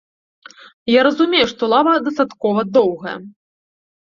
Я разумею, што лава дастаткова доўгая.